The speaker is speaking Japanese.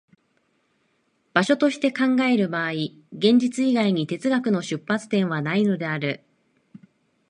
場所として考える場合、現実以外に哲学の出発点はないのである。